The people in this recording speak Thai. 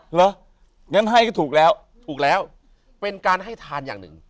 เหรองั้นให้ก็ถูกแล้วถูกแล้วเป็นการให้ทานอย่างหนึ่ง